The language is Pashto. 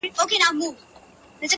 هر یو زوی به دي له ورور سره دښمن وي!